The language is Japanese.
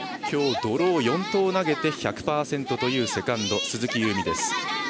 今日、ドロー４投投げて１００％というセカンド、鈴木夕湖です。